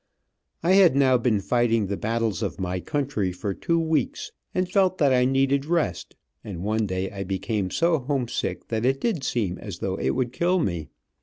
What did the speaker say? I had now been fighting the battles of my country for two weeks, and felt that I needed rest, and one day I became so homesick that it did seem as though it would kill me.